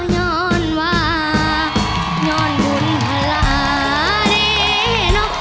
ย้อนว่าย้อนบุญภาลาเด้นอก